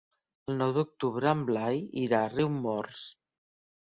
El nou d'octubre en Blai irà a Riumors.